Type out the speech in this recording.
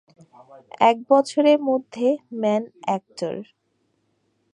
একবছরের মধ্যে মেন অ্যাঁকটর।